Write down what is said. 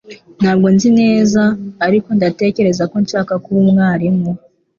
Ntabwo nzi neza ariko ndatekereza ko nshaka kuba umwarimu